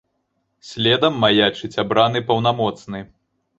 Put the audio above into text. Следам маячыць абраны паўнамоцны.